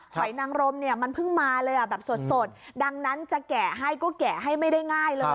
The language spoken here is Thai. อยนางรมเนี่ยมันเพิ่งมาเลยอ่ะแบบสดดังนั้นจะแกะให้ก็แกะให้ไม่ได้ง่ายเลย